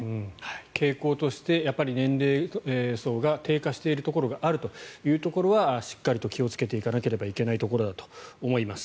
傾向として、やっぱり年齢層が低下しているところがあるということはしっかりと気をつけていかなければいけないところだと思います。